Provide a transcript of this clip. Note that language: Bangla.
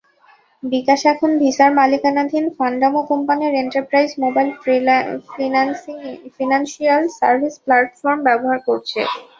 বিকাশ এখন ভিসার মালিকানাধীন ফান্ডামো কোম্পানির enterprise mobile financial service platform ব্যবহার করছে।